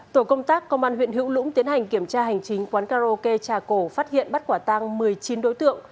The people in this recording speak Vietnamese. tổ công tác công an huyện hữu lũng tiến hành kiểm tra hành chính quán karaoke trà cổ phát hiện bắt quả tăng một mươi chín đối tượng